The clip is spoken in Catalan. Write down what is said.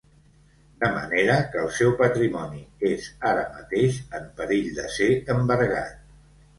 De manera que el seu patrimoni és ara mateix en perill de ser embargat.